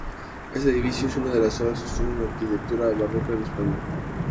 Este edificio es una de las obras cumbre de la arquitectura barroca en España.